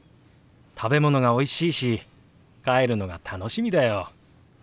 食べ物がおいしいし帰るのが楽しみだよ。